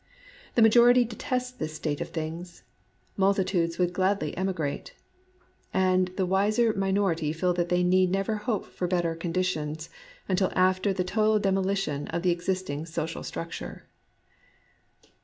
The majority detest this state of things : multitudes would gladly emigrate. And the wiser minority feel that they need never hope for better condi tions until after the total demolition of the existing social structure.